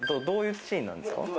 どういうシーンなんですか？